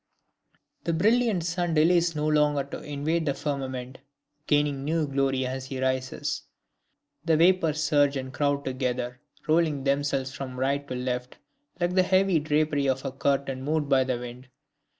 The brilliant sun delays no longer to invade the firmament, gaining new glory as he rises. The vapors surge and crowd together, rolling themselves from right to left, like the heavy drapery of a curtain moved by the wind.